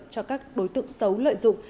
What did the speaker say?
cho các đối tượng xấu lợi dụng